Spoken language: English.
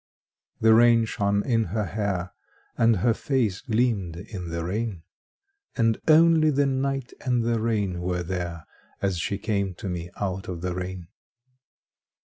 The rain shone in her hair, And her face gleamed in the rain; And only the night and the rain were there As she came to me out of the rain.